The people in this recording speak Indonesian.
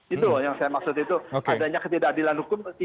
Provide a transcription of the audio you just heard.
itu yang saya maksud itu adanya ketidakadilan hukum